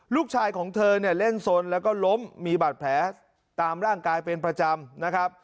ลูกชายของเธอเนี่ยเล่นสนแล้วก็ล้มมีบาดแผลตามร่างกายเป็นประจำนะครับ